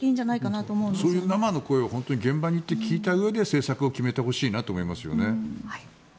そういう生の声を現場に行って聞いたうえで政策を決めてほしいと思いますよね。